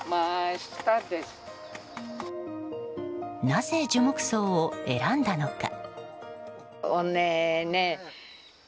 なぜ、樹木葬を選んだのか。